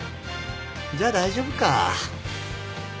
じゃあ大丈夫か。